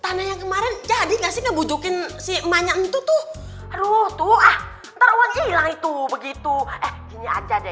tanah yang kemarin jadi kasih bujukin si emaknya itu tuh aduh tua teruji lah itu begitu aja deh